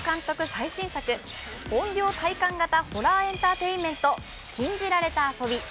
最新作、怨霊体感型ホラーエンターテインメント「禁じられた遊び」。